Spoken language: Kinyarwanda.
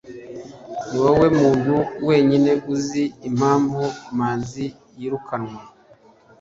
niwowe muntu wenyine uzi impamvu manzi yirukanwe